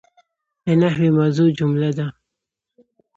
د نحوي موضوع جمله ده.